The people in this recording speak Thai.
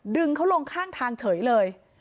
ดึงเขาลงข้างทางเฉยเลย